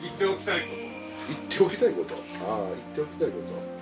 あ言っておきたいこと？